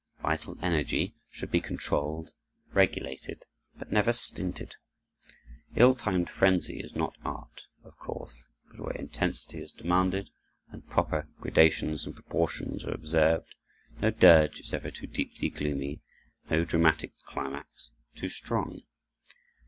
Vital energy should be controlled, regulated, but never stinted. Ill timed frenzy is not art, of course; but where intensity is demanded and proper gradations and proportions are observed, no dirge is ever too deeply gloomy, no dramatic climax too strong.